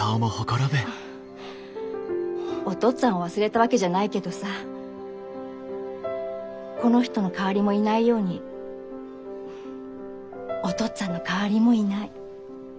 お父っつぁんを忘れたわけじゃないけどさこの人の代わりもいないようにお父っつぁんの代わりもいない。